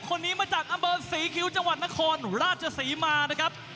คนนี้มาจากอำเภอศรีคิ้วจังหวัดนครราชศรีมานะครับ